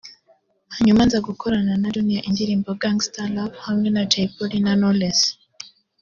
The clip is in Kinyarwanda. hanyuma nza gukorana na Junior indirimbo “Gangster Love” hamwe na Jay Polly na Knowless